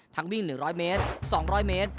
วิ่ง๑๐๐เมตร๒๐๐เมตร